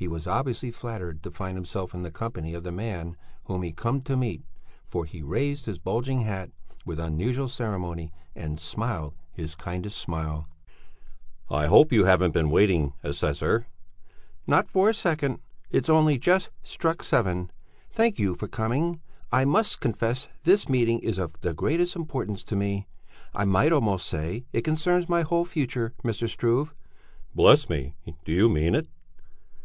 He was obviously flattered to find himself in the company of the man whom he had come to meet, for he raised his bulging hat with unusual ceremony and smiled his kindliest smile. "I hope you haven't been waiting, assessor?" "Not for a second; it's only just struck seven. Thank you for coming. I must confess that this meeting is of the greatest importance to me; I might almost say it concerns my whole future, Mr. Struve." "Bless me! Do you mean it?"